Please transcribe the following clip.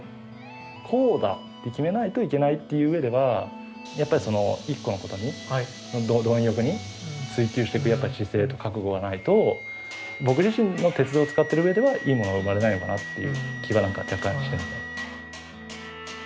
こうだって決めないといけないっていう上ではやっぱり一個のことに貪欲に追求していくやっぱり姿勢と覚悟がないと僕自身の鉄を使ってる上ではいいものは生まれないのかなっていう気は若干してます。